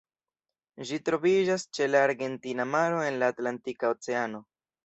Ĝi troviĝas ĉe la Argentina Maro en la Atlantika Oceano.